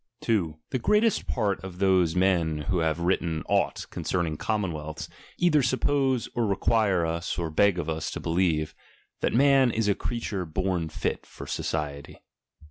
That the 2. The greatest part of those men who have ;r:jr^, written aught concerning commonwealths, either !• from fear, gupposc, or rcquirc us or beg of us to believe, that man is a creature bom fit * for society.